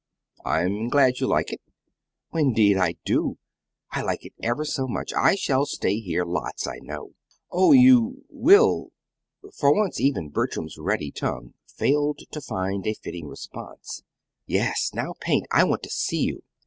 "I'm glad you like it." "Indeed I do; I like it ever so much. I shall stay here lots, I know." "Oh, you will!" For once even Bertram's ready tongue failed to find fitting response. "Yes. Now paint. I want to see you.